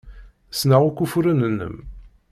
Ssneɣ akk ufuren-nnem.